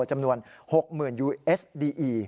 จำนวน๖๐บาทอุสด